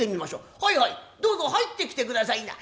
はいはいどうぞ入ってきてくださいな」。